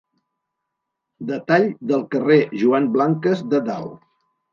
Detall del carrer Joan Blanques de dalt.